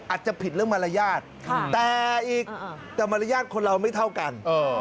อาจจะผิดเรื่องมารยาทแต่อีกแต่มารยาทคนเราไม่เท่ากัน